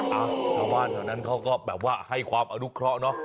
ถ้าว่าแถวนั้นเขาก็แบบว่าให้ความอนุเคราะห์